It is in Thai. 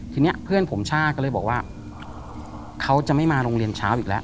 ทีนี้เพื่อนผมช่าก็เลยบอกว่าเขาจะไม่มาโรงเรียนเช้าอีกแล้ว